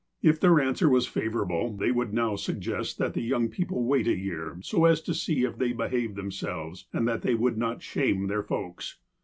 If their answer was favourable, they would now suggest that the youug people wait a year, so as to see if they behaved themselves, and that they would not "shame" their folks.